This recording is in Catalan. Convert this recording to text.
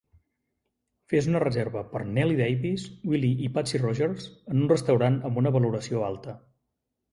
Fes una reserva per Nellie Davis, Willie i Patsy Rogers en un restaurant amb una valoració alta